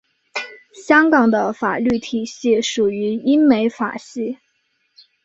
香港的法律体系属于英美法系。